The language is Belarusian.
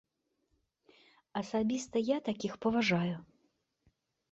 Асабіста я такіх паважаю.